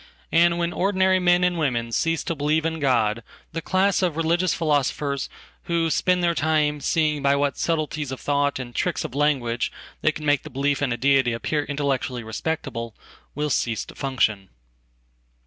And when ordinary men and women cease tobelieve in God, the class of religious philosophers who spend theirtime seeing by what subtleties of thought and tricks of languagethey can make the belief in deity appear intellectually respectablewill cease to function.